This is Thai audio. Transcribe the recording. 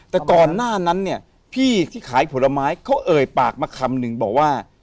แต่ก่อนหน้านั้นเนี่ยพี่ที่ขายผลไม้เขาเอ่ยปากมาคำนึงบอกว่า